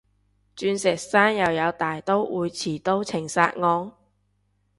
鑽石山又有大刀會持刀情殺案？